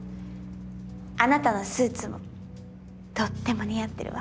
あなたのスーツもとっても似合ってるわ。